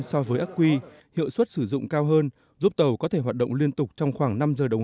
so với aqui hiệu suất sử dụng cao hơn giúp tàu có thể hoạt động liên tục trong khoảng năm giờ đồng